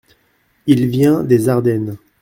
Il vient des Ardennes.